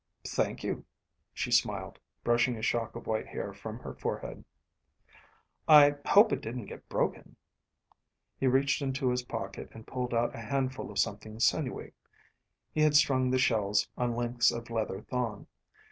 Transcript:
"Thank you," she smiled, brushing a shock of white hair from her forehead. "I hope it didn't get broken." He reached into his pocket and pulled out a handful of something sinewy; he had strung the shells on lengths of leather thong.